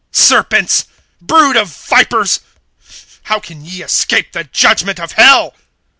(33)Serpents! Brood of vipers! How can ye escape the judgment of hell?